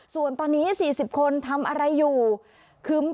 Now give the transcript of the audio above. ส่วนตอนนี้๔๐คนทำอะไรอยู่คือ